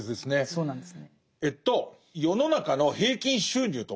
そうなんです。